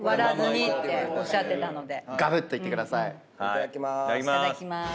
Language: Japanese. いただきます。